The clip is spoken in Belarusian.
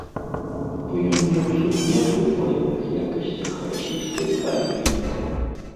Бо ён меў сумневы ў баявых якасцях расійскай арміі.